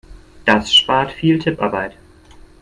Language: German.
Das spart viel Tipparbeit.